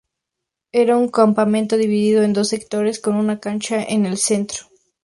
Era un campamento divido en dos sectores, con una cancha en el centro.